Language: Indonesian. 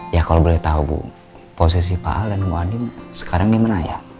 ya kalau boleh tahu bu posisi pak al dan bu anim sekarang gimana ya